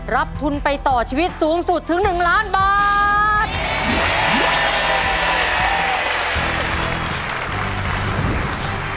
รับทุนไปต่อชีวิตสูงสุดถึง๑ล้านบาท